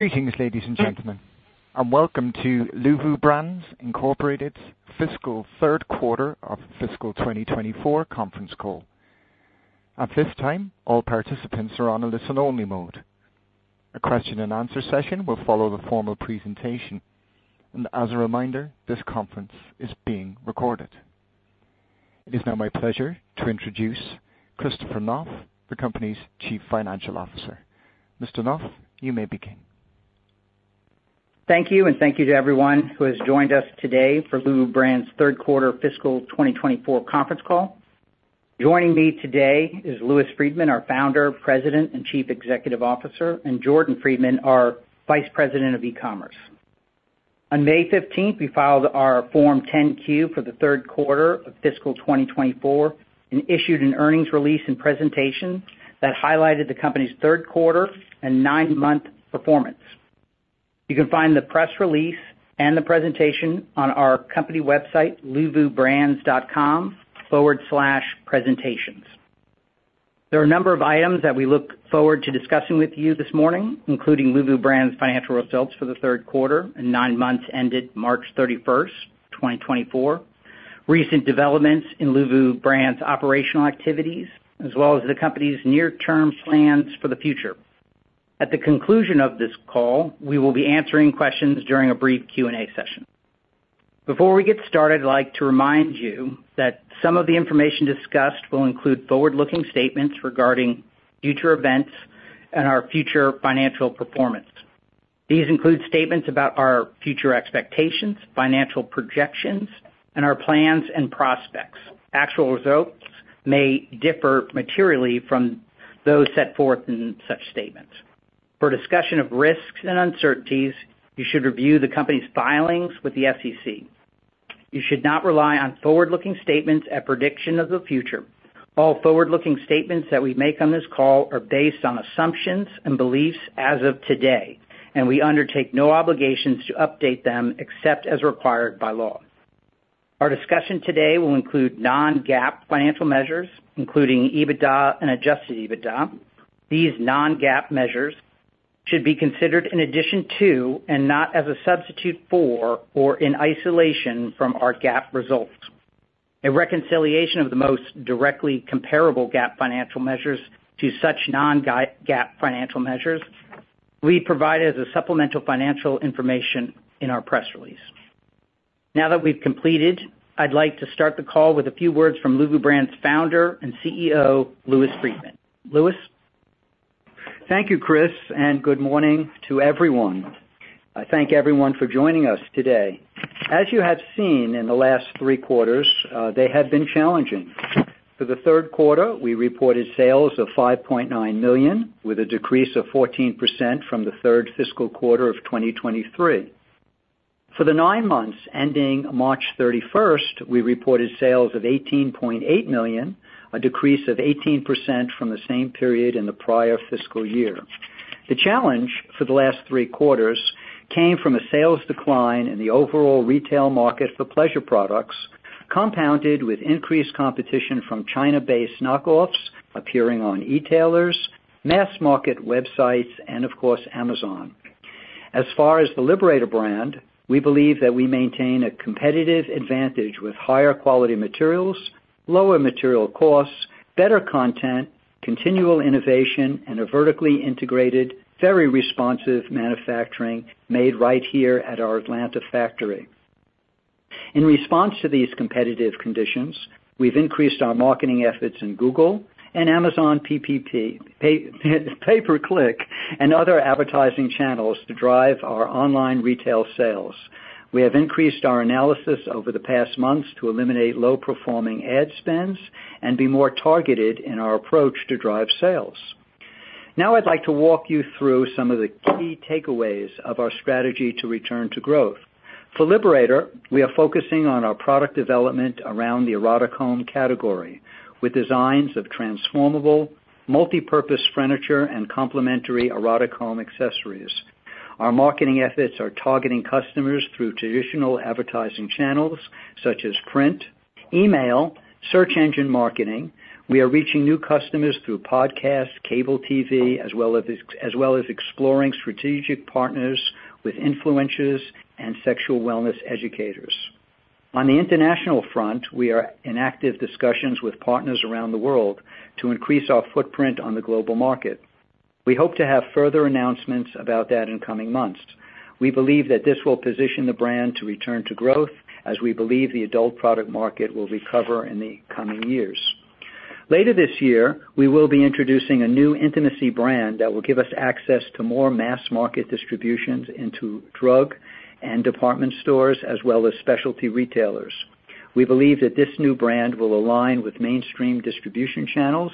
Greetings, ladies and gentlemen, and welcome to Luvu Brands Incorporated's fiscal third quarter of fiscal 2024 conference call. At this time, all participants are on a listen-only mode. A question-and-answer session will follow the formal presentation. As a reminder, this conference is being recorded. It is now my pleasure to introduce Christopher Knauf, the company's Chief Financial Officer. Mr. Knauf, you may begin. Thank you, and thank you to everyone who has joined us today for Luvu Brands' third quarter fiscal 2024 conference call. Joining me today is Louis Friedman, our Founder, President, and Chief Executive Officer, and Jordan Friedman, our Vice President of E-commerce. On May 15, we filed our Form 10-Q for the third quarter of fiscal 2024 and issued an earnings release and presentation that highlighted the company's third quarter and nine-month performance. You can find the press release and the presentation on our company website, luvubrands.com/presentations. There are a number of items that we look forward to discussing with you this morning, including Luvu Brands' financial results for the third quarter and nine months ended March 31, 2024, recent developments in Luvu Brands' operational activities, as well as the company's near-term plans for the future. At the conclusion of this call, we will be answering questions during a brief Q&A session. Before we get started, I'd like to remind you that some of the information discussed will include forward-looking statements regarding future events and our future financial performance. These include statements about our future expectations, financial projections, and our plans and prospects. Actual results may differ materially from those set forth in such statements. For discussion of risks and uncertainties, you should review the company's filings with the SEC. You should not rely on forward-looking statements as prediction of the future. All forward-looking statements that we make on this call are based on assumptions and beliefs as of today, and we undertake no obligations to update them except as required by law. Our discussion today will include non-GAAP financial measures, including EBITDA and adjusted EBITDA. These non-GAAP measures should be considered in addition to and not as a substitute for or in isolation from our GAAP results. A reconciliation of the most directly comparable GAAP financial measures to such non-GAAP financial measures will be provided as supplemental financial information in our press release. Now that we've completed, I'd like to start the call with a few words from Luvu Brands' Founder and CEO, Louis Friedman. Louis? Thank you, Chris, and good morning to everyone. I thank everyone for joining us today. As you have seen in the last three quarters, they have been challenging. For the third quarter, we reported sales of $5.9 million, with a decrease of 14% from the third fiscal quarter of 2023. For the nine months ending March 31, we reported sales of $18.8 million, a decrease of 18% from the same period in the prior fiscal year. The challenge for the last three quarters came from a sales decline in the overall retail market for pleasure products, compounded with increased competition from China-based knockoffs appearing on e-tailers, mass market websites and, of course, Amazon. As far as the Liberator brand, we believe that we maintain a competitive advantage with higher quality materials, lower material costs, better content, continual innovation, and a vertically integrated, very responsive manufacturing made right here at our Atlanta factory. In response to these competitive conditions, we've increased our marketing efforts in Google and Amazon PPP, pay, pay per click, and other advertising channels to drive our online retail sales. We have increased our analysis over the past months to eliminate low-performing ad spends and be more targeted in our approach to drive sales. Now, I'd like to walk you through some of the key takeaways of our strategy to return to growth. For Liberator, we are focusing on our product development around the erotic home category, with designs of transformable, multipurpose furniture and complementary erotic home accessories. Our marketing efforts are targeting customers through traditional advertising channels such as print, email, search engine marketing. We are reaching new customers through podcasts, cable TV, as well as exploring strategic partners with influencers and sexual wellness educators. On the international front, we are in active discussions with partners around the world to increase our footprint on the global market. We hope to have further announcements about that in coming months. We believe that this will position the brand to return to growth, as we believe the adult product market will recover in the coming years. Later this year, we will be introducing a new intimacy brand that will give us access to more mass market distributions into drug and department stores, as well as specialty retailers. We believe that this new brand will align with mainstream distribution channels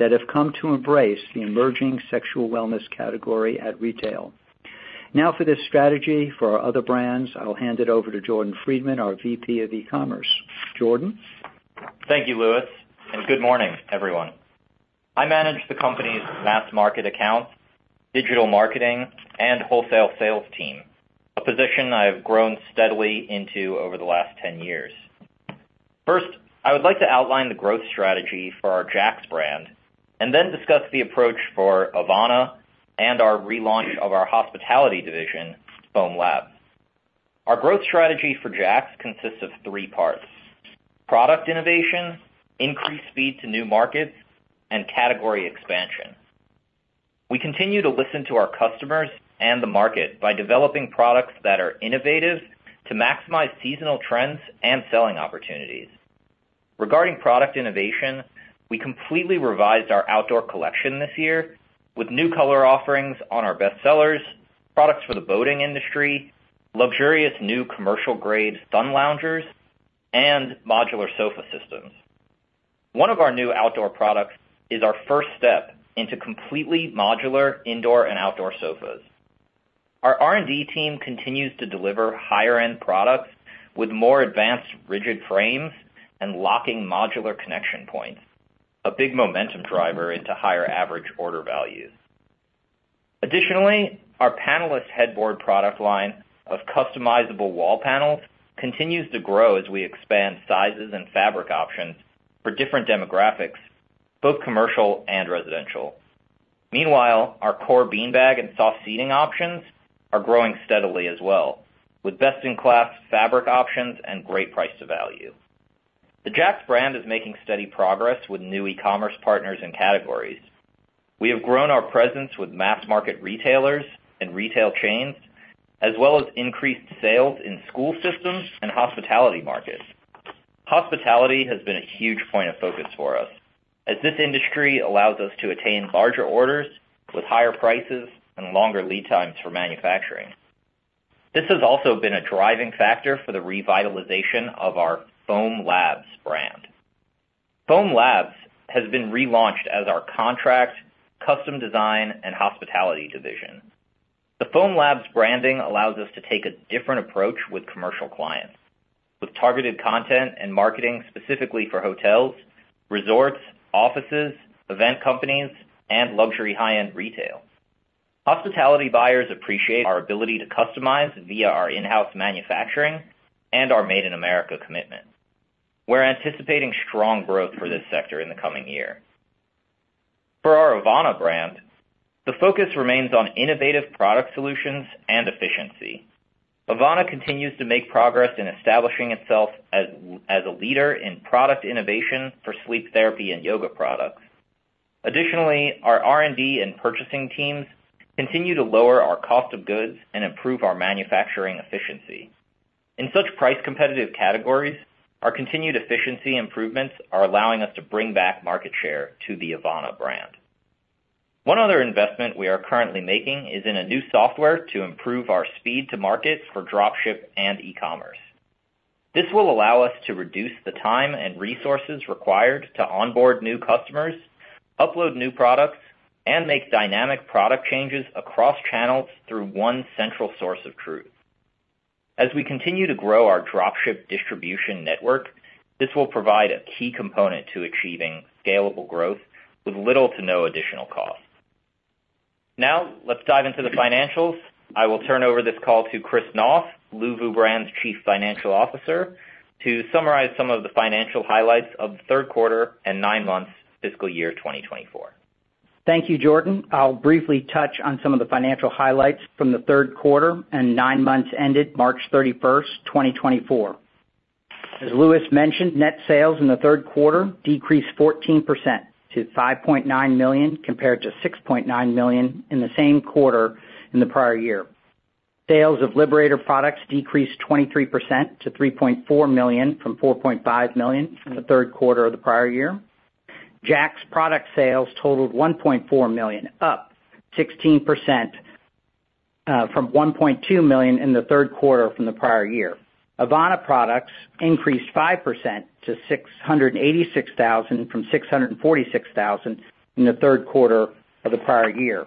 that have come to embrace the emerging sexual wellness category at retail. Now, for this strategy for our other brands, I'll hand it over to Jordan Friedman, our Vice President of E-commerce. Jordan? Thank you, Louis, and good morning, everyone. I manage the company's mass market accounts, digital marketing, and wholesale sales team, a position I have grown steadily into over the last 10 years. First, I would like to outline the growth strategy for our Jaxx brand, and then discuss the approach for Avana and our relaunch of our hospitality division, Foam Labs. Our growth strategy for Jaxx consists of three parts: product innovation, increased speed to new markets, and category expansion. We continue to listen to our customers and the market by developing products that are innovative to maximize seasonal trends and selling opportunities. Regarding product innovation, we completely revised our outdoor collection this year, with new color offerings on our best sellers, products for the boating industry, luxurious new commercial-grade sun loungers, and modular sofa systems. One of our new outdoor products is our first step into completely modular indoor and outdoor sofas. Our R&D team continues to deliver higher-end products with more advanced rigid frames and locking modular connection points, a big momentum driver into higher average order values. Additionally, our panelist headboard product line of customizable wall panels continues to grow as we expand sizes and fabric options for different demographics, both commercial and residential. Meanwhile, our core beanbag and soft seating options are growing steadily as well, with best-in-class fabric options and great price to value. The Jaxx brand is making steady progress with new e-commerce partners and categories. We have grown our presence with mass-market retailers and retail chains, as well as increased sales in school systems and hospitality markets. Hospitality has been a huge point of focus for us, as this industry allows us to attain larger orders with higher prices and longer lead times for manufacturing. This has also been a driving factor for the revitalization of our Foam Labs brand. Foam Labs has been relaunched as our contract, custom design, and hospitality division. The Foam Labs branding allows us to take a different approach with commercial clients, with targeted content and marketing specifically for hotels, resorts, offices, event companies, and luxury high-end retail. Hospitality buyers appreciate our ability to customize via our in-house manufacturing and our Made in America commitment. We're anticipating strong growth for this sector in the coming year. For our Avana brand, the focus remains on innovative product solutions and efficiency. Avana continues to make progress in establishing itself as a leader in product innovation for sleep therapy and yoga products. Additionally, our R&D and purchasing teams continue to lower our cost of goods and improve our manufacturing efficiency. In such price-competitive categories, our continued efficiency improvements are allowing us to bring back market share to the Avana brand. One other investment we are currently making is in a new software to improve our speed to market for dropship and e-commerce. This will allow us to reduce the time and resources required to onboard new customers, upload new products, and make dynamic product changes across channels through one central source of truth. As we continue to grow our dropship distribution network, this will provide a key component to achieving scalable growth with little to no additional cost. Now, let's dive into the financials. I will turn over this call to Chris Knauf, Luvu Brands' Chief Financial Officer, to summarize some of the financial highlights of the third quarter and nine months fiscal year 2024. Thank you, Jordan. I'll briefly touch on some of the financial highlights from the third quarter and nine months ended March 31, 2024. As Louis mentioned, net sales in the third quarter decreased 14% to $5.9 million, compared to $6.9 million in the same quarter in the prior year. Sales of Liberator products decreased 23% to $3.4 million, from $4.5 million from the third quarter of the prior year. Jaxx product sales totaled $1.4 million, up 16%, from $1.2 million in the third quarter from the prior year. Avana products increased 5% to $686,000 from $646,000 in the third quarter of the prior year.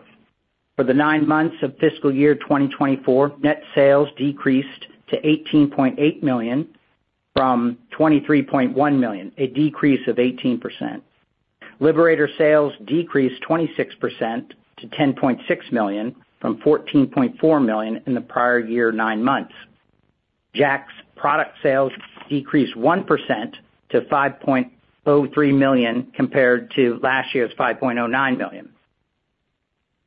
For the 9 months of fiscal year 2024, net sales decreased to $18.8 million from $23.1 million, a decrease of 18%. Liberator sales decreased 26% to $10.6 million from $14.4 million in the prior year 9 months. Jaxx product sales decreased 1% to $5.03 million, compared to last year's $5.09 million.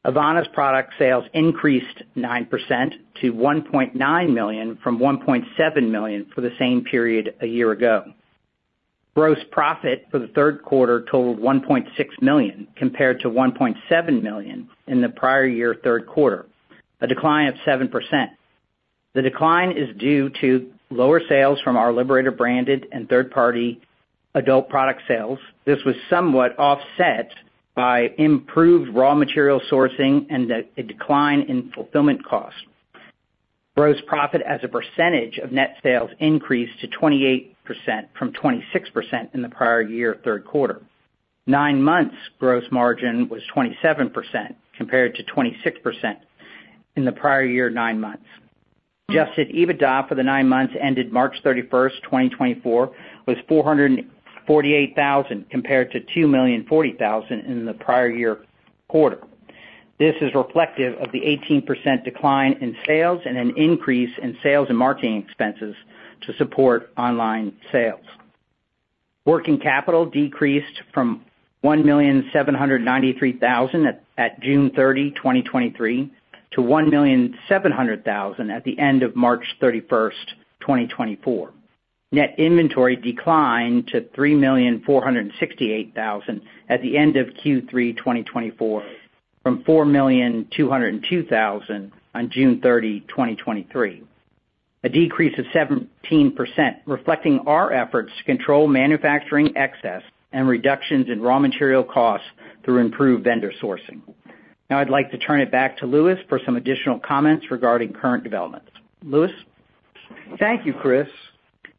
Avana's product sales increased 9% to $1.9 million from $1.7 million for the same period a year ago. Gross profit for the third quarter totaled $1.6 million, compared to $1.7 million in the prior year third quarter, a decline of 7%. The decline is due to lower sales from our Liberator-branded and third-party adult product sales. This was somewhat offset by improved raw material sourcing and a decline in fulfillment costs. Gross profit as a percentage of net sales increased to 28% from 26% in the prior year third quarter. Nine months' gross margin was 27%, compared to 26% in the prior year nine months. Adjusted EBITDA for the nine months ended March 31, 2024, was $448,000, compared to $2,040,000 in the prior year quarter. This is reflective of the 18% decline in sales and an increase in sales and marketing expenses to support online sales. Working capital decreased from $1,793,000 at June 30, 2023, to $1,700,000 at the end of March 31, 2024. Net inventory declined to $3,468,000 at the end of Q3 2024, from $4,202,000 on June 30, 2023. A decrease of 17%, reflecting our efforts to control manufacturing excess and reductions in raw material costs through improved vendor sourcing. Now, I'd like to turn it back to Louis for some additional comments regarding current developments. Louis? Thank you, Chris.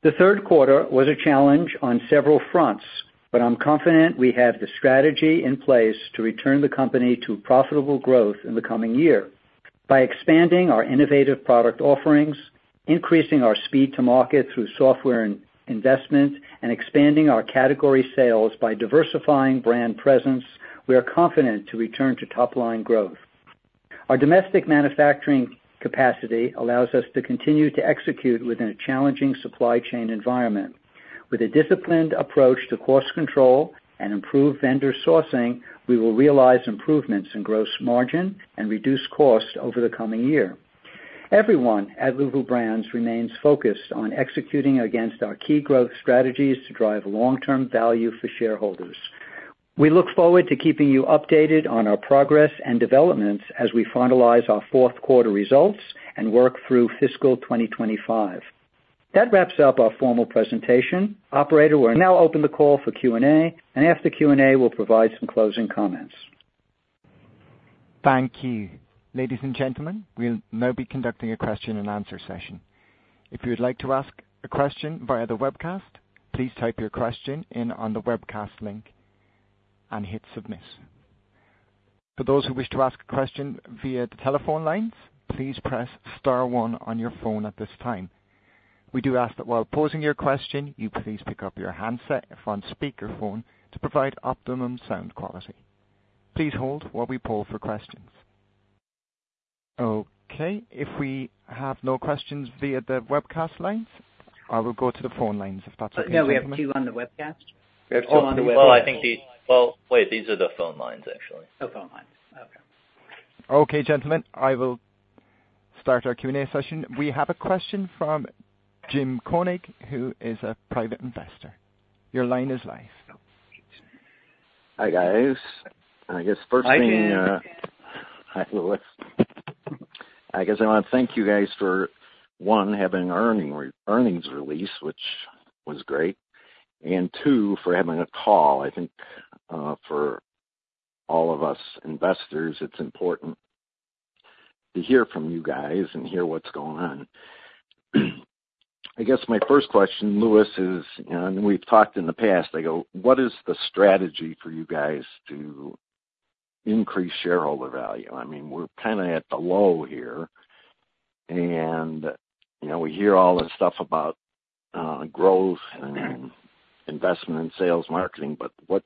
The third quarter was a challenge on several fronts, but I'm confident we have the strategy in place to return the company to profitable growth in the coming year. By expanding our innovative product offerings, increasing our speed to market through software and investment, and expanding our category sales by diversifying brand presence, we are confident to return to top line growth. Our domestic manufacturing capacity allows us to continue to execute within a challenging supply chain environment. With a disciplined approach to cost control and improved vendor sourcing, we will realize improvements in gross margin and reduce costs over the coming year. Everyone at Luvu Brands remains focused on executing against our key growth strategies to drive long-term value for shareholders. We look forward to keeping you updated on our progress and developments as we finalize our fourth quarter results and work through fiscal 2025. That wraps up our formal presentation. Operator, we'll now open the call for Q&A, and after Q&A, we'll provide some closing comments. Thank you. Ladies and gentlemen, we'll now be conducting a question and answer session. If you would like to ask a question via the webcast, please type your question in on the webcast link and hit Submit. For those who wish to ask a question via the telephone lines, please press star one on your phone at this time. We do ask that while posing your question, you please pick up your handset or phone speakerphone to provide optimum sound quality. Please hold while we poll for questions. Okay, if we have no questions via the webcast lines, I will go to the phone lines, if that's okay? No, we have a few on the webcast. We have 2 on the webcast. Well, wait, these are the phone lines, actually. Oh, phone lines. Okay. Okay, gentlemen, I will start our Q&A session. We have a question from Jim Koenig, who is a private investor. Your line is live. Hi, guys. I guess first thing, Hi, Jim. Hi, Louis. I guess I want to thank you guys for, one, having earnings release, which was great, and two, for having a call. I think, for all of us investors, it's important to hear from you guys and hear what's going on. I guess my first question, Louis, is, and we've talked in the past, I go, what is the strategy for you guys to increase shareholder value? I mean, we're kind of at the low here, and, you know, we hear all this stuff about, growth and investment in sales marketing, but what,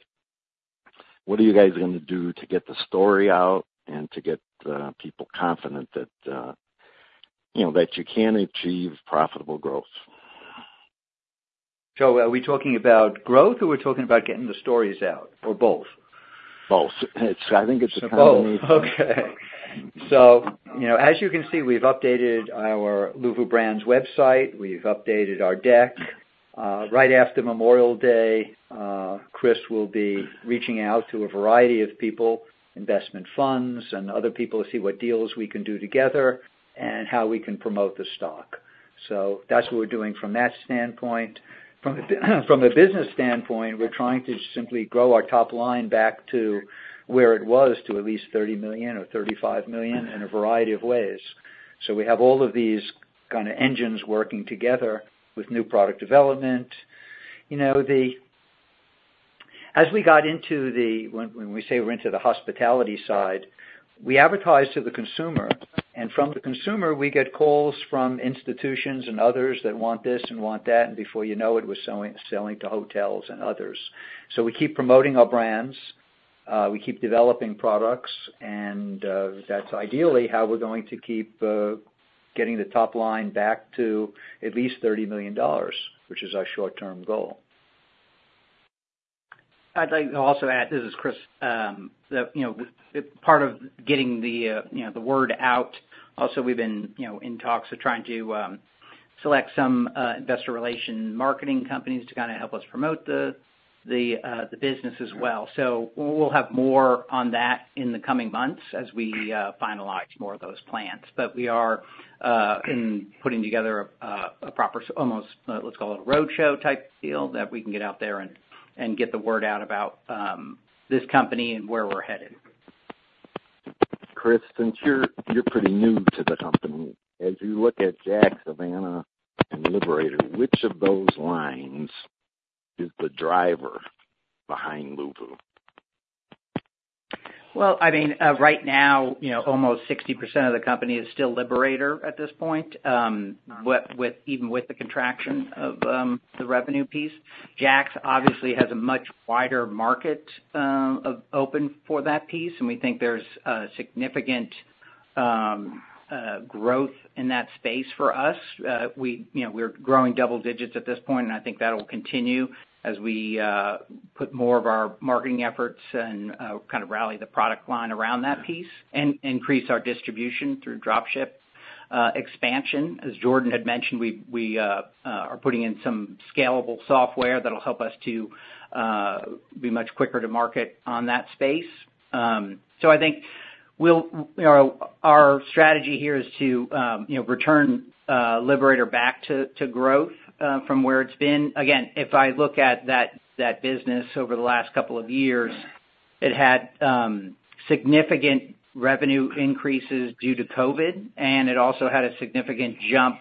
what are you guys going to do to get the story out and to get, people confident that, you know, that you can achieve profitable growth? Are we talking about growth, or we're talking about getting the stories out, or both? Both. It's, I think it's a combination. Both. Okay. So, you know, as you can see, we've updated our Luvu Brands website. We've updated our deck. Right after Memorial Day, Chris will be reaching out to a variety of people, investment funds and other people, to see what deals we can do together and how we can promote the stock. So that's what we're doing from that standpoint. From a business standpoint, we're trying to simply grow our top line back to where it was to at least $30 million or $35 million in a variety of ways. So we have all of these kind of engines working together with new product development. You know, as we got into the, when we say we're into the hospitality side, we advertise to the consumer, and from the consumer, we get calls from institutions and others that want this and want that, and before you know it, we're selling to hotels and others. So we keep promoting our brands, we keep developing products, and that's ideally how we're going to keep getting the top line back to at least $30 million, which is our short-term goal. I'd like to also add, this is Chris, that you know part of getting the word out, also, we've been you know in talks of trying to select some investor relation marketing companies to kind of help us promote the the business as well. So we'll have more on that in the coming months as we finalize more of those plans. But we are putting together a proper, almost, let's call it a roadshow type deal, that we can get out there and get the word out about this company and where we're headed. Chris, since you're pretty new to the company, as you look at Jaxx, Avana, and Liberator, which of those lines is the driver behind Luvu? Well, I mean, right now, you know, almost 60% of the company is still Liberator at this point, with, with, even with the contraction of, the revenue piece. Jaxx obviously has a much wider market of open for that piece, and we think there's a significant growth in that space for us. We, you know, we're growing double digits at this point, and I think that'll continue as we put more of our marketing efforts and kind of rally the product line around that piece and increase our distribution through drop ship expansion. As Jordan had mentioned, we are putting in some scalable software that'll help us to be much quicker to market on that space. So I think we'll—you know, our strategy here is to, you know, return Liberator back to growth from where it's been. Again, if I look at that business over the last couple of years, it had significant revenue increases due to COVID, and it also had a significant jump.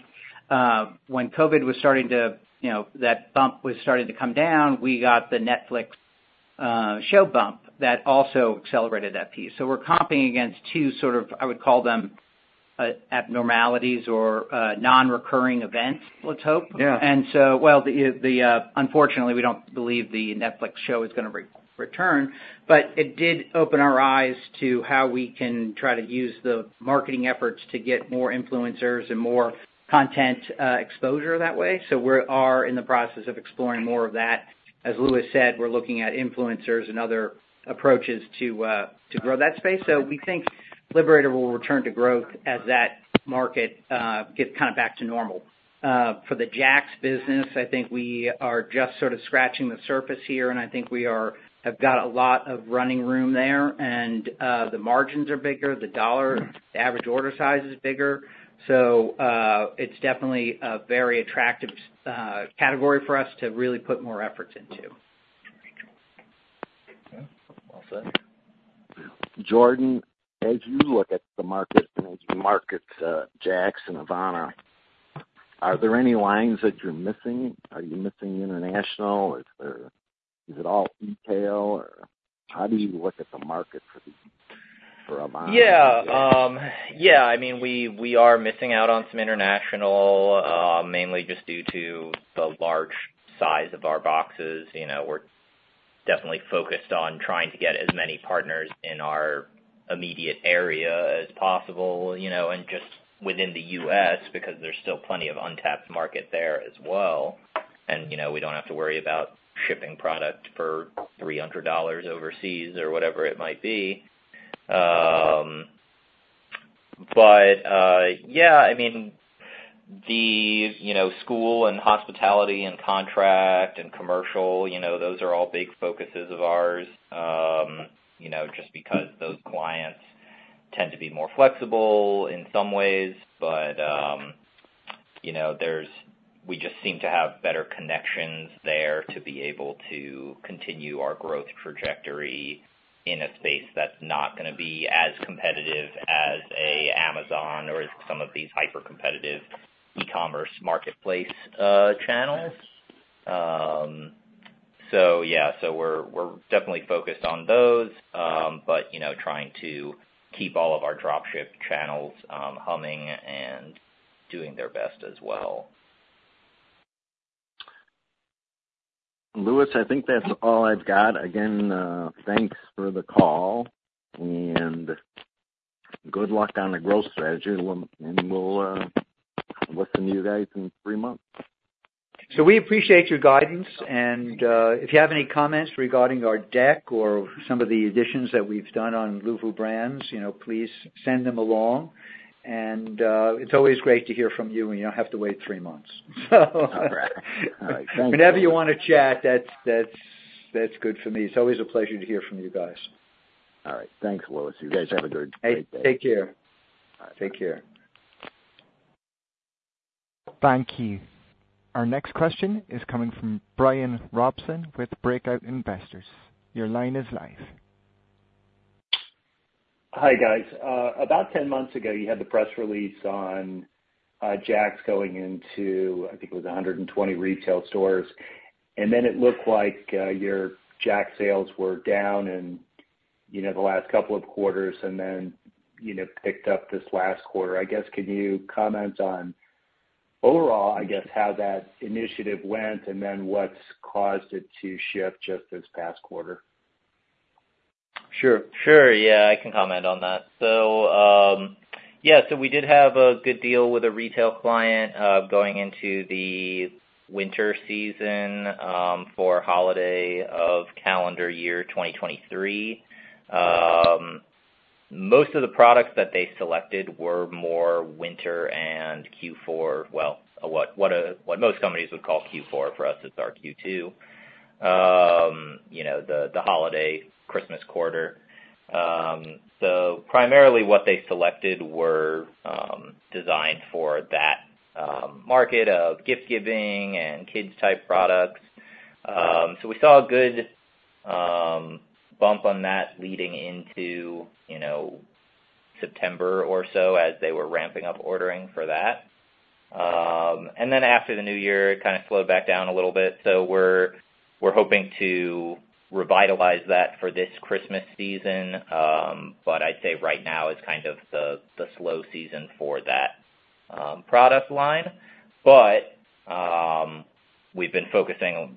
When COVID was starting to, you know, that bump was starting to come down, we got the Netflix show bump that also accelerated that piece. So we're comping against two sort of, I would call them, abnormalities or non-recurring events, let's hope. Yeah. Unfortunately, we don't believe the Netflix show is gonna return, but it did open our eyes to how we can try to use the marketing efforts to get more influencers and more content exposure that way. So we're in the process of exploring more of that. As Louis said, we're looking at influencers and other approaches to grow that space. So we think Liberator will return to growth as that market gets kind of back to normal. For the Jaxx business, I think we are just sort of scratching the surface here, and I think we have got a lot of running room there, and the margins are bigger, the dollar, the average order size is bigger. So it's definitely a very attractive category for us to really put more efforts into. Okay. Well said. Jordan, as you look at the market and as you market, Jaxx and Avana, are there any lines that you're missing? Are you missing international? Is there? Is it all retail, or how do you look at the market for the, for Avana? Yeah. Yeah, I mean, we are missing out on some international, mainly just due to the large size of our boxes. You know, we're definitely focused on trying to get as many partners in our immediate area as possible, you know, and just within the US, because there's still plenty of untapped market there as well. And, you know, we don't have to worry about shipping product for $300 overseas or whatever it might be. But, yeah, I mean, you know, school and hospitality and contract and commercial, you know, those are all big focuses of ours. You know, just because those clients tend to be more flexible in some ways, but, you know, we just seem to have better connections there to be able to continue our growth trajectory in a space that's not gonna be as competitive as Amazon or as some of these hyper-competitive e-commerce marketplace channels. So yeah, so we're, we're definitely focused on those, but, you know, trying to keep all of our drop ship channels humming and doing their best as well. Louis, I think that's all I've got. Again, thanks for the call, and good luck on the growth strategy, and we'll listen to you guys in three months. So we appreciate your guidance, and, if you have any comments regarding our deck or some of the additions that we've done on Luvu Brands, you know, please send them along. And, it's always great to hear from you, and you don't have to wait three months. All right. Thank you. Whenever you want to chat, that's good for me. It's always a pleasure to hear from you guys. All right. Thanks, Louis. You guys have a good, great day. Take care. All right. Take care. Thank you. Our next question is coming from Bryan Robson with Breakout Investors. Your line is live. Hi, guys. About 10 months ago, you had the press release on Jaxx going into, I think, it was 120 retail stores. And then it looked like your Jaxx sales were down in, you know, the last couple of quarters and then, you know, picked up this last quarter. I guess, can you comment on overall, I guess, how that initiative went, and then what's caused it to shift just this past quarter? Sure. Sure, yeah, I can comment on that. So, yeah, so we did have a good deal with a retail client, going into the winter season, for holiday of calendar year 2023. Most of the products that they selected were more winter and Q4. Well, what most companies would call Q4, for us, it's our Q2. You know, the holiday Christmas quarter. So primarily, what they selected were, designed for that, market of gift giving and kids type products. So we saw a good, bump on that leading into, you know, September or so as they were ramping up ordering for that. And then after the new year, it kind of slowed back down a little bit. So we're, we're hoping to revitalize that for this Christmas season. But I'd say right now is kind of the slow season for that product line. But we've been focusing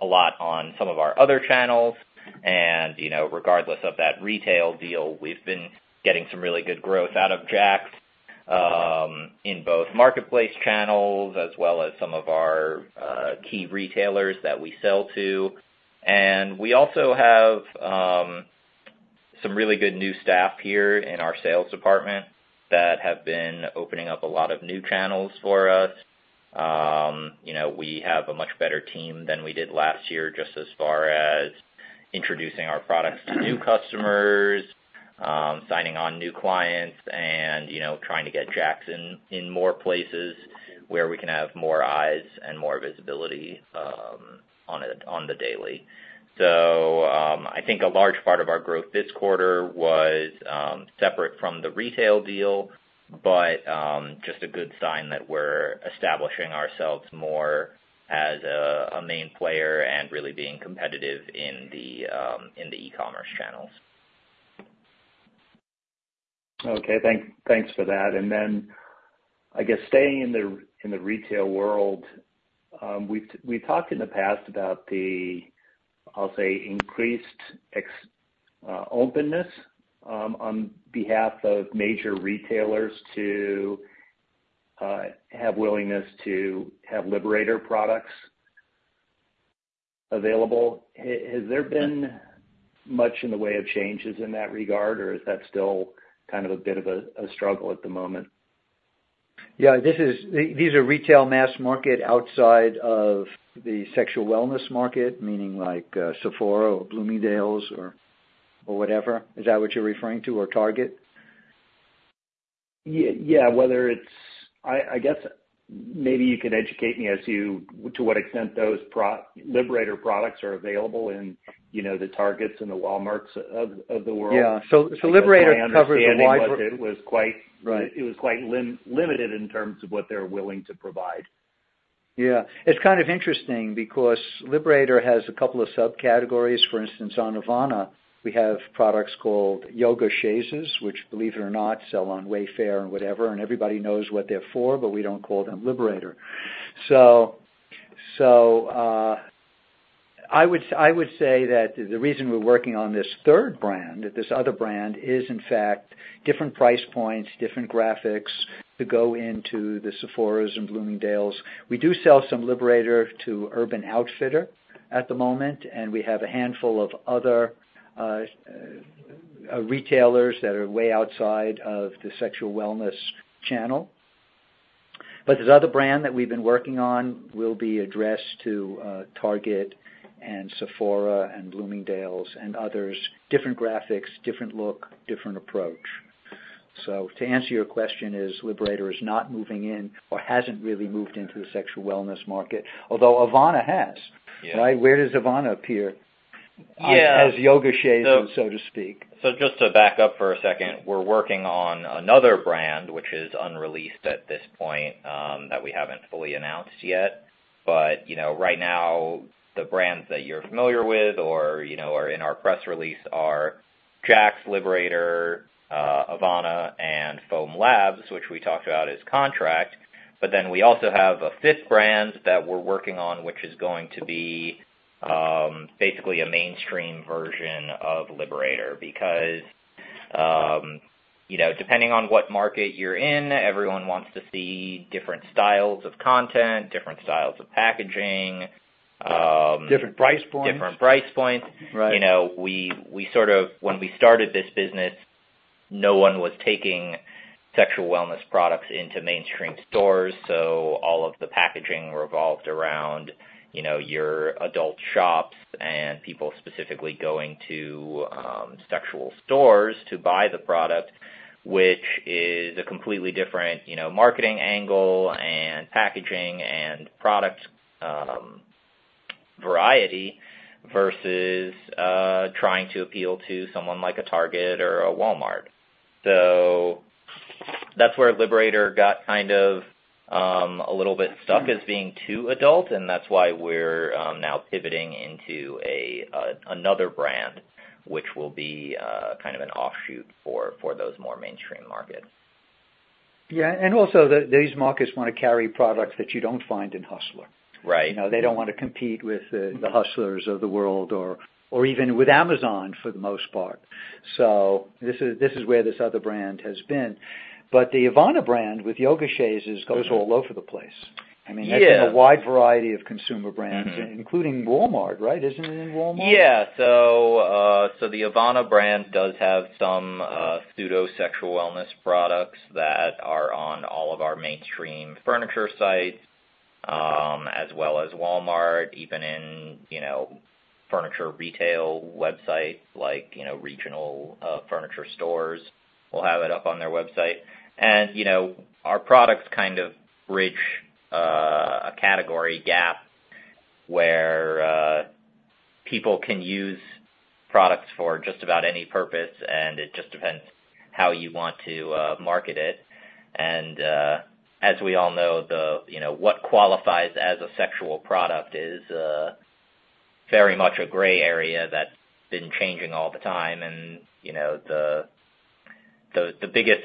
a lot on some of our other channels, and, you know, regardless of that retail deal, we've been getting some really good growth out of Jax in both marketplace channels, as well as some of our key retailers that we sell to. And we also have some really good new staff here in our sales department that have been opening up a lot of new channels for us. You know, we have a much better team than we did last year, just as far as introducing our products to new customers, signing on new clients and, you know, trying to get Jax in more places where we can have more eyes and more visibility on it, on the daily. So, I think a large part of our growth this quarter was separate from the retail deal, but just a good sign that we're establishing ourselves more as a main player and really being competitive in the e-commerce channels. Okay, thanks for that. And then, I guess staying in the retail world, we've talked in the past about the, I'll say, increased openness on behalf of major retailers to have willingness to have Liberator products available. Has there been much in the way of changes in that regard, or is that still kind of a bit of a struggle at the moment? Yeah, these are retail mass market outside of the sexual wellness market, meaning like, Sephora or Bloomingdale's or, or whatever. Is that what you're referring to, or Target? Yeah, whether it's, I guess maybe you could educate me as to what extent those Liberator products are available in, you know, the Targets and the Walmarts of the world? Yeah, so Liberator covers a wide- My understanding was it was quite- Right. It was quite limited in terms of what they're willing to provide. Yeah. It's kind of interesting because Liberator has a couple of subcategories. For instance, on Avana, we have products called Yoga Chaises, which, believe it or not, sell on Wayfair and whatever, and everybody knows what they're for, but we don't call them Liberator. So, I would say that the reason we're working on this third brand, this other brand, is in fact different price points, different graphics to go into the Sephora's and Bloomingdale's. We do sell some Liberator to Urban Outfitters at the moment, and we have a handful of other retailers that are way outside of the sexual wellness channel. But this other brand that we've been working on will be addressed to Target and Sephora and Bloomingdale's and others. Different graphics, different look, different approach. So, to answer your question, Liberator is not moving in or hasn't really moved into the sexual wellness market, although Avana has. Yeah. Right? Where does Avana appear? Yeah. As Yoga Chaise, so to speak. So just to back up for a second, we're working on another brand, which is unreleased at this point, that we haven't fully announced yet. But, you know, right now, the brands that you're familiar with or, you know, are in our press release are Jaxx, Liberator, Avana, and Foam Labs, which we talked about as contract. But then we also have a fifth brand that we're working on, which is going to be, basically a mainstream version of Liberator. Because, you know, depending on what market you're in, everyone wants to see different styles of content, different styles of packaging. Different price points. Different price points. Right. You know, we sort of... When we started this business, no one was taking sexual wellness products into mainstream stores, so all of the packaging revolved around, you know, your adult shops and people specifically going to sexual stores to buy the product, which is a completely different, you know, marketing angle and packaging and product variety, versus trying to appeal to someone like a Target or a Walmart. So that's where Liberator got kind of a little bit stuck as being too adult, and that's why we're now pivoting into another brand, which will be kind of an offshoot for those more mainstream markets. Yeah, and also, these markets want to carry products that you don't find in Hustler. Right. You know, they don't want to compete with the Hustlers of the world or even with Amazon for the most part. So this is where this other brand has been. But the Avana brand, with Yoga Chaise, goes all over the place. Yeah. I mean, that's in a wide variety of consumer brands, including Walmart, right? Isn't it in Walmart? Yeah. So, so the Avana brand does have some pseudo sexual wellness products that are on all of our mainstream furniture sites, as well as Walmart, even in, you know, furniture retail websites like, you know, regional furniture stores will have it up on their website. And, you know, our products kind of reach a category gap where people can use products for just about any purpose, and it just depends how you want to market it. And, as we all know, the, you know, what qualifies as a sexual product is very much a gray area that's been changing all the time, and, you know, the biggest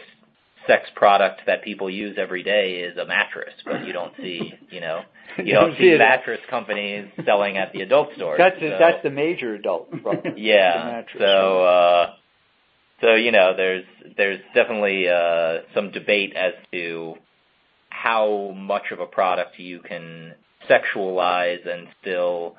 sex product that people use every day is a mattress, but you don't see, you know, you don't see mattress companies selling at the adult store. That's the major adult product. Yeah. The mattress. So, you know, there's definitely some debate as to how much of a product you can sexualize and still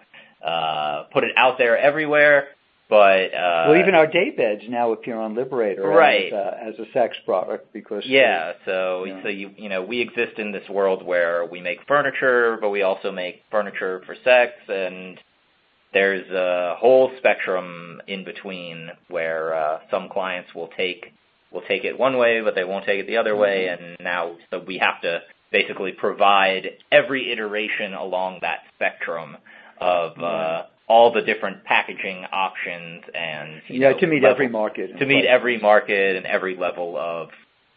put it out there everywhere. But- Well, even our daybeds now appear on Liberator- Right as a sex product, because Yeah. So, you know, we exist in this world where we make furniture, but we also make furniture for sex, and there's a whole spectrum in between where some clients will take it one way, but they won't take it the other way. And now, so we have to basically provide every iteration along that spectrum of- Right all the different packaging options and, you know Yeah, to meet every market. To meet every market and every level of,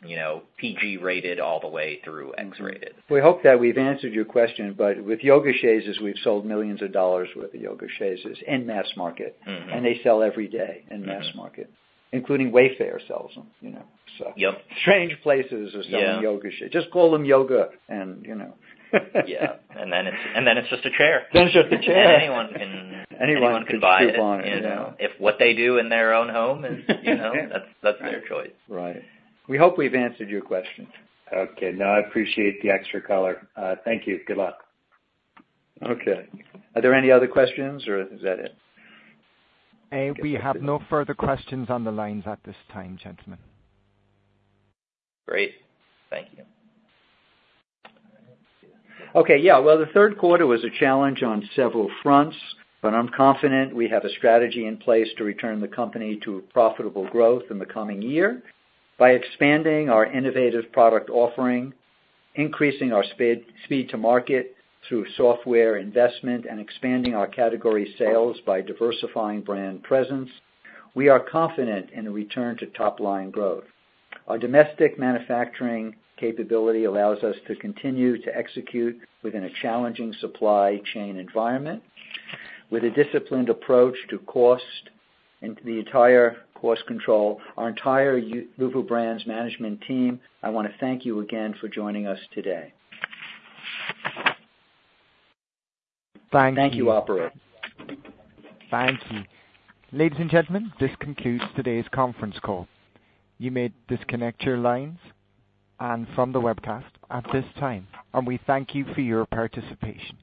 you know, PG rated all the way through X-rated. We hope that we've answered your question, but with Yoga Chaises, we've sold millions of dollars worth of Yoga Chaises in mass market. Mm-hmm. And they sell every day... Mm-hmm in mass market, including Wayfair sells them, you know, so. Yep. Strange places are selling- Yeah -Yoga Chaise. Just call them yoga and, you know. Yeah. And then it's just a chair. Then it's just a chair. Anyone can- Anyone can buy it. Anyone can buy it, you know? If what they do in their own home is, you know, that's, that's their choice. Right. We hope we've answered your questions. Okay. No, I appreciate the extra color. Thank you. Good luck. Okay. Are there any other questions or is that it? We have no further questions on the lines at this time, gentlemen. Great. Thank you. Okay, yeah. Well, the third quarter was a challenge on several fronts, but I'm confident we have a strategy in place to return the company to profitable growth in the coming year. By expanding our innovative product offering, increasing our speed to market through software investment, and expanding our category sales by diversifying brand presence, we are confident in a return to top line growth. Our domestic manufacturing capability allows us to continue to execute within a challenging supply chain environment, with a disciplined approach to cost and the entire cost control. Our entire Luvu Brands management team, I wanna thank you again for joining us today. Thank you. Thank you, operator. Thank you. Ladies and gentlemen, this concludes today's conference call. You may disconnect your lines and from the webcast at this time, and we thank you for your participation.